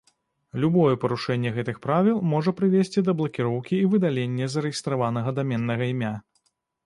Любое парушэнне гэтых правіл можа прывесці да блакіроўкі і выдалення зарэгістраванага даменнага імя.